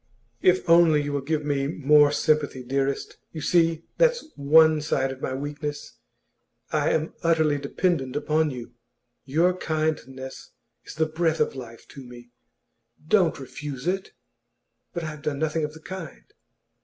'If only you will give me more sympathy, dearest. You see, that's one side of my weakness. I am utterly dependent upon you. Your kindness is the breath of life to me. Don't refuse it!' 'But I have done nothing of the kind.